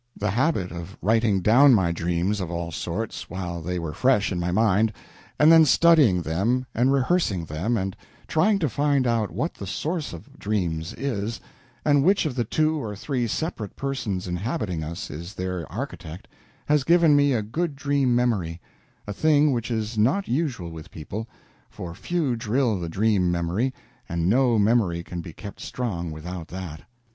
The habit of writing down my dreams of all sorts while they were fresh in my mind, and then studying them and rehearsing them and trying to find out what the source of dreams is, and which of the two or three separate persons inhabiting us is their architect, has given me a good dream memory a thing which is not usual with people, for few drill the dream memory and, no memory can be kept strong without that.